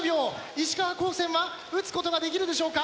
石川高専は打つことができるでしょうか？